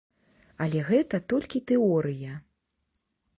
Але гэта толькі тэорыя.